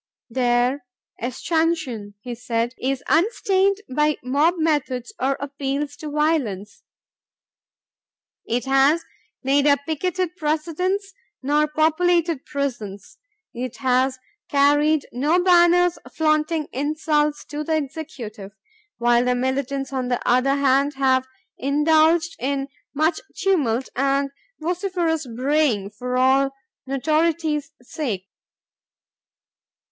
Their "escutcheon," he said, "is unstained by mob methods or appeals to violence. It has neither picketed Presidents nor populated prisons .... It has carried no banners flaunting insults to the Executive," while the militants on the other hand have indulged in "much tumult and vociferous braying, all for notoriety's sake."